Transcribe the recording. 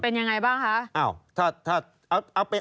เป็นยังไงบ้างคะ